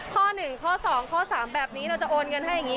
ข้อหนึ่งข้อสองข้อสามแบบนี้เราจะโอนกันให้อย่างนี้